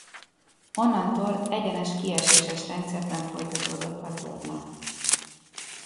Onnantól egyenes kieséses rendszerben folytatódott a torna.